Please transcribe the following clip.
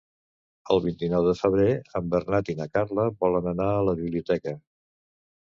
El vint-i-nou de febrer en Bernat i na Carla volen anar a la biblioteca.